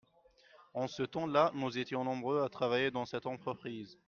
en ce temps-là nous étions nombreux à travailler dans cette entreprise.